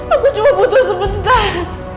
aku cuma butuh sebentar